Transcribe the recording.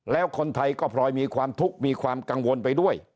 แล้วคนไทยก็พลอยมีความทุกข์มีความกังวลไปด้วย